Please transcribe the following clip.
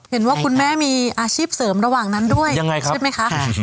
เห็นว่าคุณแม่มีอาชีพเสริมระหว่างนั้นด้วยใช่ไหมคะ